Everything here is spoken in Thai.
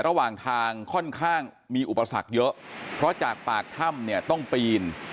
ระหว่างทางค่อนข้างมีอุปสรรคเยอะเพราะจากปากถ้ำเนี่ยต้องปีน